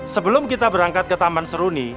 sebelum kita berangkat ke taman seruni